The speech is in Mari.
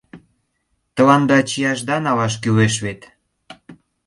Тыланда чияшда налаш кӱлеш вет.